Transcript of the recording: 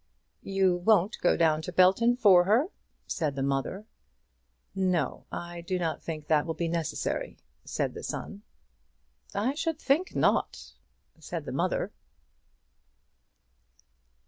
"You won't go down to Belton for her?" said the mother. "No; I do not think that will be necessary," said the son. "I should think not," said the mother.